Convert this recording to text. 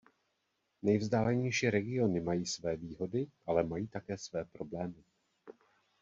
Nejvzdálenější regiony mají své výhody, ale mají také své problémy.